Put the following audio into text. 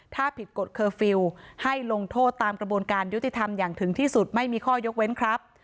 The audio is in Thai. ถ้าผิดกฎเคอร์ฟิลล์ให้ลงโทษตามกระบวนการยุติธรรมอย่างถึงที่สุดไม่มีข้อยกเว้นครับ